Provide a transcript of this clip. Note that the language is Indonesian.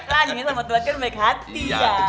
nah nyonya sama tuhan kan baik hati ya